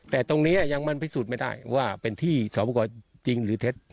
แต่ตรงนี้ยังมันพิสูจน์ไม่ได้ว่าเป็นที่สอบประกอบจริงหรือเท็จ